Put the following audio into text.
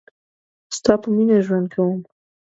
ستا په میینه ژوند کوم